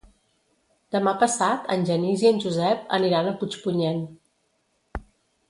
Demà passat en Genís i en Josep aniran a Puigpunyent.